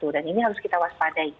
dan ini harus kita waspadai